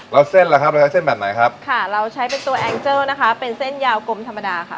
แล้วเส้นล่ะครับเราใช้เส้นแบบไหนครับค่ะเราใช้เป็นตัวแองเจอร์นะคะเป็นเส้นยาวกลมธรรมดาค่ะ